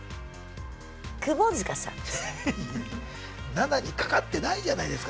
７に掛かってないじゃないですか。